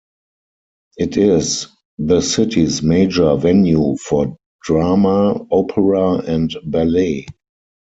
It is the city's major venue for drama, opera and ballet.